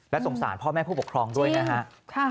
สงสารพ่อแม่ผู้ปกครองด้วยนะฮะ